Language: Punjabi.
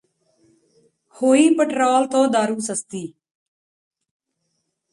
ਹੋਈ ਪਟਰੋਲ ਤੋਂ ਦਾਰੂ ਸਸਤੀ